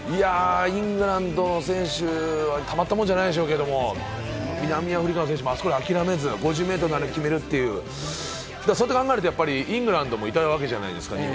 イングランドの選手はたまったもんじゃないでしょうけれども、南アフリカの選手もあそこで諦めず、５０メートルのあれを決めるって、そうやって考えるとイングランドもいたわけじゃないですか？